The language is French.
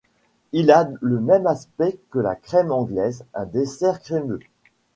Il a le même aspect que la crème anglaise, un dessert crémeux.